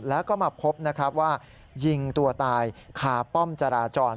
แล้วก็มาพบนะครับว่ายิงตัวตายคาป้อมจราจร